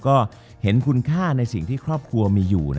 จบการโรงแรมจบการโรงแรม